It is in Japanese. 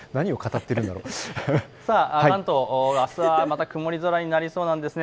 関東、あすはまた曇り空になりそうなんです。